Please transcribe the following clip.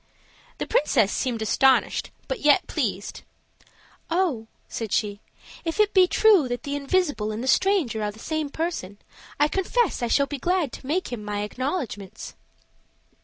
The princess seemed astonished, but yet pleased. "Oh," said she, "if it be true that the invisible and the stranger are the same person, I confess I shall be glad to make him my acknowledgments."